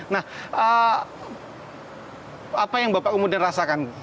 nah apa yang bapak kemudian rasakan